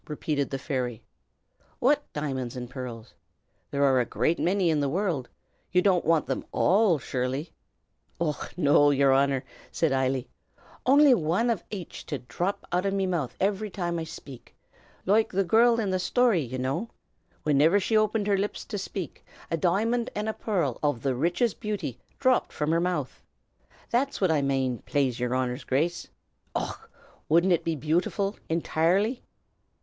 repeated the fairy, "what diamonds and pearls? There are a great many in the world. You don't want them all, surely?" "Och, no, yer Honor!" said Eily. "Only wan of aich to dhrop out o' me mouth ivery time I shpake, loike the girrl in the sthory, ye know. Whiniver she opened her lips to shpake, a di'mond an' a pearrl o' the richest beauty dhropped from her mouth. That's what I mane, plaze yer Honor's Grace. Och! wudn't it be beautiful, entirely?"